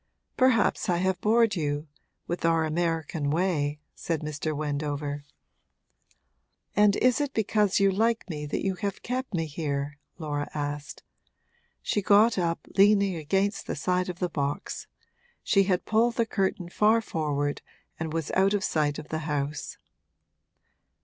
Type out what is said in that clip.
Perhaps I have bored you with our American way,' said Mr. Wendover. 'And is it because you like me that you have kept me here?' Laura asked. She got up, leaning against the side of the box; she had pulled the curtain far forward and was out of sight of the house.